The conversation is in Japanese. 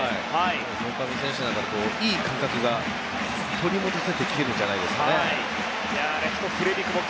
村上選手の中でいい感覚が取り戻せてきているんじゃないですかね。